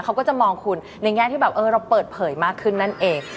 เขาก็จะมองคุณในแง่ที่แบบเออเราเปิดเผยมากขึ้นนั่นเอง